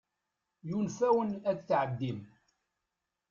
Yunef-awen ad tɛeddim.